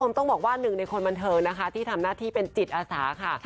ต้องบอกว่าหนึ่งในคนบันเทิงนะคะที่ทำหน้าที่เป็นจิตอาสาค่ะ